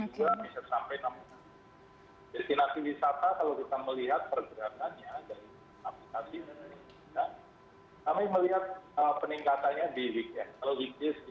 tempat wisata yang ada di sini